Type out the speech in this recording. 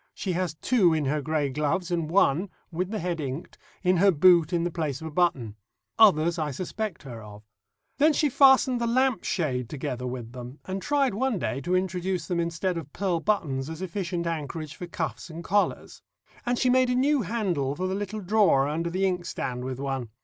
She has two in her grey gloves, and one (with the head inked) in her boot in the place of a button. Others I suspect her of. Then she fastened the lamp shade together with them, and tried one day to introduce them instead of pearl buttons as efficient anchorage for cuffs and collars. And she made a new handle for the little drawer under the inkstand with one.